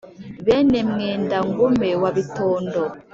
bene mwenda-ngume wa bitondo,